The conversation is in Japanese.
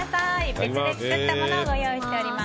別で作ったものをご用意しています。